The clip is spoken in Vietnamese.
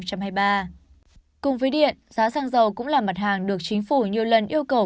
cùng với điện giá xăng dầu cũng là mặt hàng được chính phủ nhiều lần yêu cầu